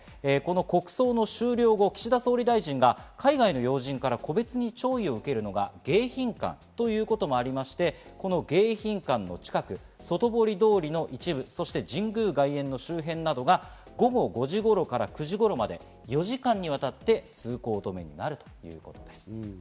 国葬の終了後、岸田総理大臣が海外の要人から個別に弔意を受けるのが迎賓館ということもあって、迎賓館の近く外堀通りの一部、そして神宮外苑の周辺などが、午後５時頃から９時頃まで、４時間にわたって通行止めになるということです。